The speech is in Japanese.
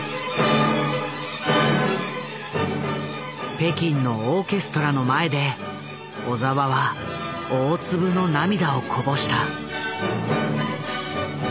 北京のオーケストラの前で小澤は大粒の涙をこぼした。